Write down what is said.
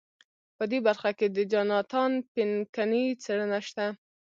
په دې برخه کې د جاناتان پینکني څېړنه شته.